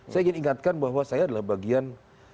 saya ingin ingatkan bahwa saya adalah bagian